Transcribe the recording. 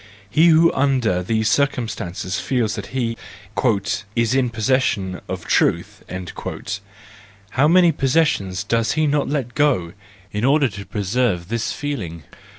He who under these circum¬ stances feels that he "is in possession of truth," how many possessions does he not let go, in order to preserve this feeling!